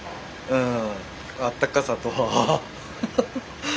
うん。